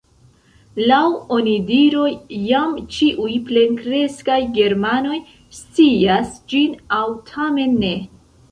Laŭ onidiroj jam ĉiuj plenkreskaj germanoj scias ĝin – aŭ tamen ne?